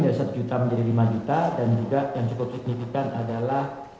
dari satu juta menjadi lima juta dan juga yang cukup signifikan adalah